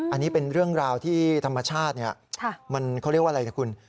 อันนี้เป็นเรื่องราวที่ธรรมชาติมันเขาเรียกว่าอะไรนะคุณ